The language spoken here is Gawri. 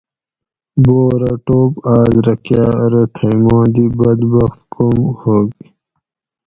بورہ ٹوپ آس رہ کاۤ ارو تھئ ما دی بدبخت کوم ھوگ